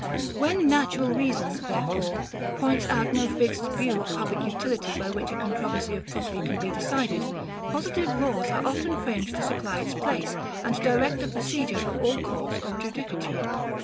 When natural reason, therefore, points out no fixed view of public utility by which a controversy of property can be decided, positive laws are often framed to supply its place, and direct the procedure of all courts of judicature.